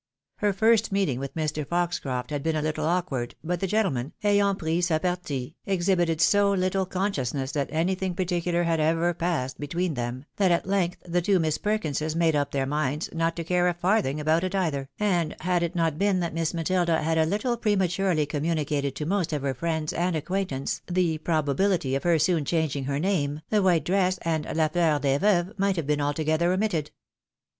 Her first meeting with Mr. Foxcroft had been a little awkward, but the gentleman, ayant pris sa partie, exhibited so little consciousness that any thing particular had ever passed between them, that at PEErAKATIONS FOR THE BALL. 335 length the two IVIiss Perkinses made up their minds not to care a farthing about it either ; and had it not been that Miss Matilda had a httle prematurely communicated to most of her friends and acquaintance the probability of her soon changing her name, the white dress and lafleur des ceuves might have been altogether omitted.